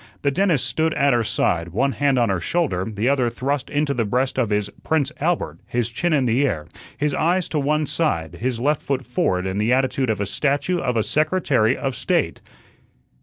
The dentist stood at her side, one hand on her shoulder, the other thrust into the breast of his "Prince Albert," his chin in the air, his eyes to one side, his left foot forward in the attitude of a statue of a Secretary of State.